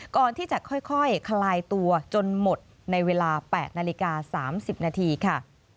ก่อนที่จะค่อยคลายตัวจนหมดในเวลา๘นาฬิกา๓๐นาทีค่ะ